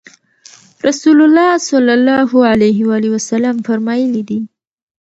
رسول الله صلی الله عليه وسلم فرمایلي دي: